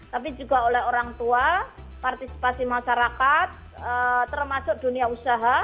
tapi juga oleh orang tua partisipasi masyarakat termasuk dunia usaha